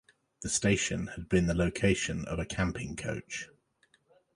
The station had been the location of a Camping coach.